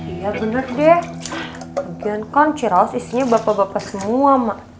iya bener deh bagian kan ciraos isinya bapak bapak semua emak